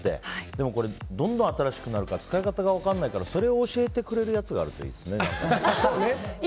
でもこれどんどん新しくなるから使い方が分からなくなるからそれを教えてくれるやつがあるといいですね。